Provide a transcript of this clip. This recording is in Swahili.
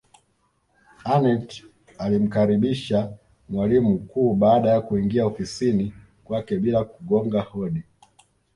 aneth alimkaribisha mwalimu mkuu baada ya kuingia ofisini kwake bila kugonga hodi